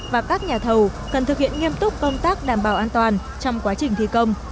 và các nhà thầu cần thực hiện nghiêm túc công tác đảm bảo an toàn trong quá trình thi công